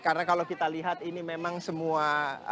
karena kalau kita lihat ini memang semua